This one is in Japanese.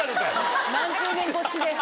何十年越しで。